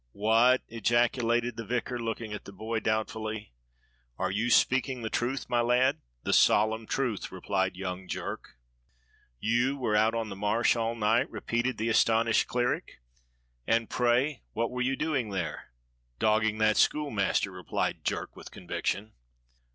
"What!" ejaculated the vicar, looking at the boy doubtfully. "Are you speaking the truth, my lad?" "The solemn truth," replied young Jerk. 74 DOCTOR SYN "You were out on the Marsh all night?" repeated the astonished cleric. "And pray, what were you doing there?" "Dogging that schoolmaster," replied Jerk with con viction.